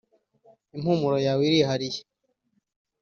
impumuro yawe irihariye